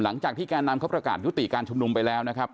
หลังจากที่การนำเขาประกาศยุติการชุมนุมไปแล้วนะครับ